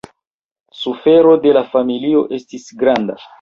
Sufero de la familio estis granda.